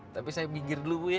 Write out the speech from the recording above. tapi saya mikir dulu bu ya